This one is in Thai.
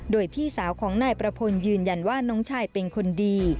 โดยพี่สาวของนายประพลยืนยันว่าน้องชายเป็นคนดี